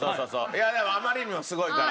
いやあまりにもすごいから。